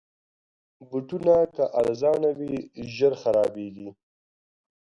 بوټونه که ارزانه وي، ژر خرابیږي.